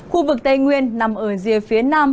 khu vực tây nguyên nằm ở dưới phía nam